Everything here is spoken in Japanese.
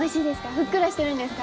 ふっくらしてるんですか？